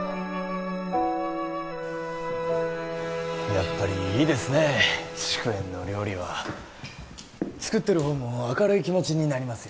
やっぱりいいですね祝宴の料理は作ってるほうも明るい気持ちになりますよ